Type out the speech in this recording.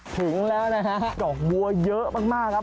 ถึงแล้วนะฮะดอกบัวเยอะมากครับ